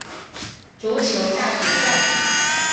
足球大决战！